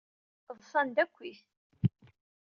Ḍsan-d akkit.